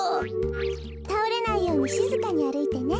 たおれないようにしずかにあるいてね。